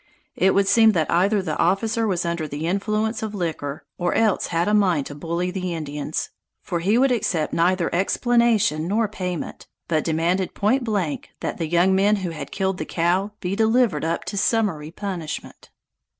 It would seem that either the officer was under the influence of liquor, or else had a mind to bully the Indians, for he would accept neither explanation nor payment, but demanded point blank that the young men who had killed the cow be delivered up to summary punishment.